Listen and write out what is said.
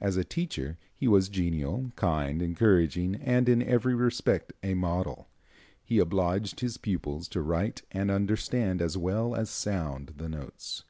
As a teacher he was genial, kind, encouraging and in every respect a model. He obliged his pupils to write and understand as well as sound the notes.